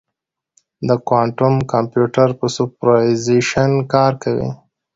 د کوانټم کمپیوټر په سوپرپوزیشن کار کوي.